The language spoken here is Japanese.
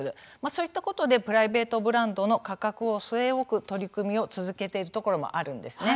そういったことでプライベートブランドの価格を据え置く取り組みを続けているところもあるんですね。